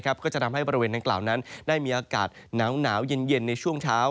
ก็จะทำให้บริเวณดังกล่าวนั้นได้มีอากาศหนาวเย็นในช่วงเช้า